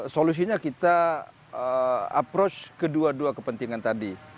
solusinya kita approach kedua dua kepentingan tadi